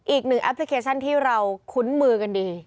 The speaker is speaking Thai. อีกหนึ่งแอปพลิเคชันที่เราคุ้นมือกันดี